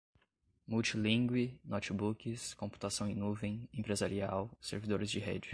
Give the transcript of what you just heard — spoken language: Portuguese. multilíngue, notebooks, computação em nuvem, empresarial, servidores de rede